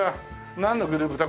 なんのグループだ？